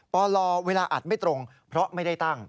ปลเวลาอัดไม่ตรงเพราะไม่ได้ตั้ง